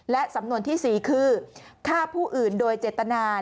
และสำนวนที่๔คือฆ่าผู้อื่นโดยเจตนา